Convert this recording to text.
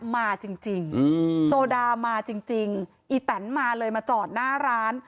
มาจริงโซดามาจริงอีแตนมาเลยมาจอดหน้าร้าน